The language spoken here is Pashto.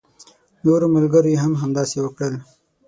نورو ملګرو يې هم همداسې وکړل.